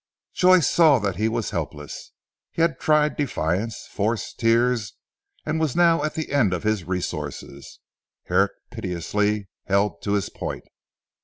Joyce saw that he was helpless. He had tried defiance, force, tears, and was now at the end of his resources. Herrick pitilessly held to his point.